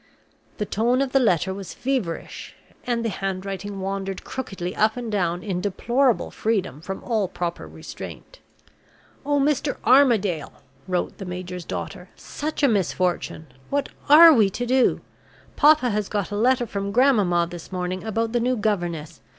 The tone of the letter was feverish, and the handwriting wandered crookedly up and down in deplorable freedom from all proper restraint. "Oh, Mr. Armadale" (wrote the major's daughter), "such a misfortune! What are we to do? Papa has got a letter from grandmamma this morning about the new governess.